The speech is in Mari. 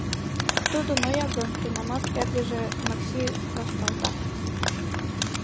Тудо ноя гын, тунамак эргыже — Макси вашталта.